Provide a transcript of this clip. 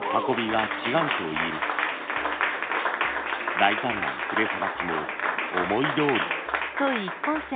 大胆な筆さばきも思いどおり。